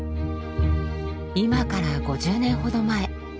今から５０年ほど前。